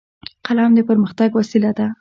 قلم د پرمختګ وسیله ده